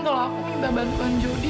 kalau aku minta bantuan judi